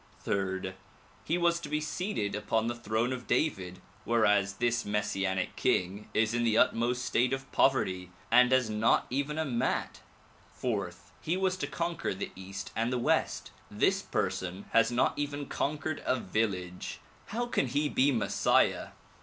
"Third: He was to be seated upon the throne of David whereas this messianic king is in the utmost state of poverty and has not even a mat. "Fourth: He was to conquer the east and the west. This person has not even conquered a village. How can he be Messiah